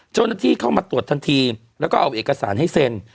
เจ้าหน้าที่เข้ามาตรวจทันทีแล้วก็เอาเอกสารให้เซ็น